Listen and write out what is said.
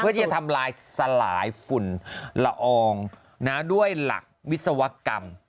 ที่จะทำลายสลายฝุ่นละอองด้วยหลักวิศวกรรม